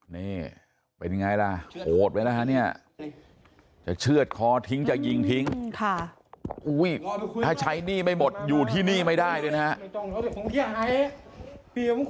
นี่เป็นไงล่ะโหดไว้แล้วฮะเนี่ยจะเชื่อดคอทิ้งจะยิงทิ้งถ้าใช้หนี้ไม่หมดอยู่ที่นี่ไม่ได้เลยนะฮะ